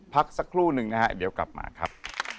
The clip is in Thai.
พักสักครู่หนึ่งนะฮะเดี๋ยวกลับมาครับ